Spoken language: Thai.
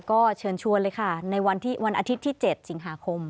ก็เชิญชวนเลยค่ะในวันอาทิตย์ที่๗สิงหาคม